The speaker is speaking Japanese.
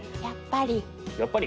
やっぱり！